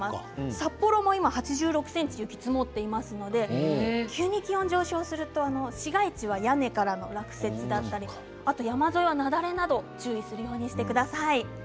札幌も今８６ｃｍ雪が積もっていますので急に気温が上昇すると市街地は屋根からの落雪山沿いは雪崩などにも注意するようにしてください。